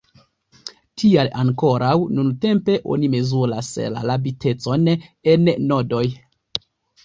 Tial ankoraŭ nuntempe oni mezuras la rapidecon en nodoj.